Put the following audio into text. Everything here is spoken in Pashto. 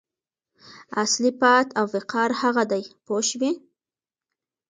اصلي پت او وقار هغه دی پوه شوې!.